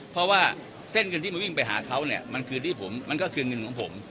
เพราะว่าเส้นเงินที่มาวิ่งไปหาเขามันก็คือเงินของผม